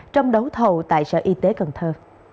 trong đấu thầu tại sở y tế cần thơ